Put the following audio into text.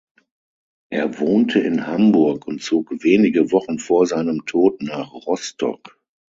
Er wohnte in Hamburg und zog wenige Wochen vor seinem Tod nach Rostock.